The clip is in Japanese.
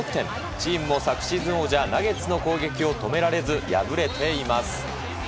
チームも昨シーズン王者ナゲッツの攻撃を止められず敗れています。